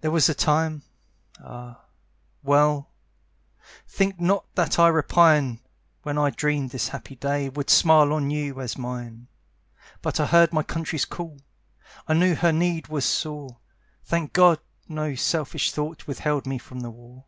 There was a time ah, well! Think not that I repine When I dreamed this happy day Would smile on you as mine; But I heard my country's call; I knew her need was sore. Thank God, no selfish thought Withheld me from the war.